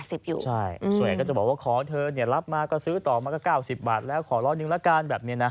ส่วนใหญ่ก็จะบอกว่าขอเธอรับมาก็ซื้อต่อมาก็๙๐บาทแล้วขอร้อยหนึ่งละกันแบบนี้นะ